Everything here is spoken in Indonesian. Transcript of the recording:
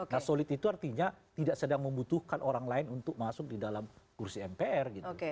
nah solid itu artinya tidak sedang membutuhkan orang lain untuk masuk di dalam kursi mpr gitu